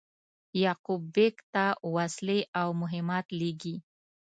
یعقوب بېګ ته وسلې او مهمات لېږي.